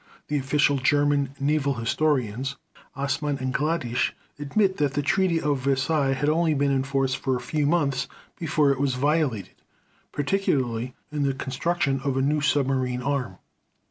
The official German Naval historians, Assmann and Gladisch, admit that the Treaty of Versailles had only been in force for a few months before it was violated, particularly in the construction of a new submarine arm.